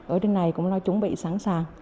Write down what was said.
ở trên này cũng lo chuẩn bị sẵn sàng